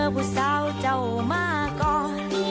พูดทรัพมหาก่อน